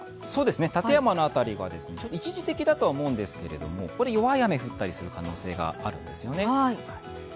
館山の辺りは一時的だと思うんですがこれ、弱い雨が降ったりする可能性があるんですよね。